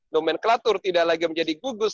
nomenklatur tidak lagi menjadi gugus